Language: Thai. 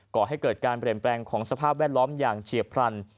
ก่อให้เกิดการเปลี่ยนแปลงของสภาพแวดล้อมอย่างเฉียบพลัน